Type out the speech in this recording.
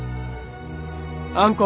あんこ。